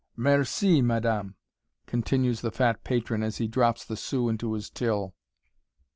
"Merci, madame," continues the fat patron as he drops the sou into his till.